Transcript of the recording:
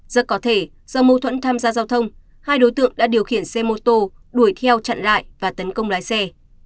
rất có thể do mâu thuẫn tham gia giao thông hai đối tượng đã điều khiển xe mô tô đuổi theo chặn lại và tấn công lái xe